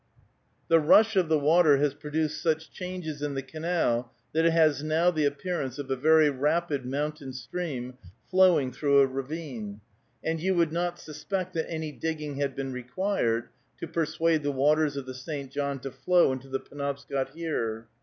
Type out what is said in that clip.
The rush of the water has produced such changes in the canal that it has now the appearance of a very rapid mountain stream flowing through a ravine, and you would not suspect that any digging had been required to persuade the waters of the St. John to flow into the Penobscot here.